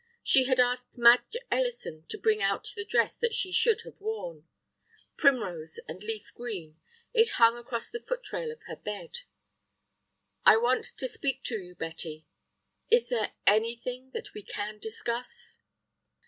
She had asked Madge Ellison to bring out the dress that she should have worn. Primrose and leaf green, it hung across the foot rail of her bed. "I want to speak to you, Betty." "Is there anything that we can discuss?"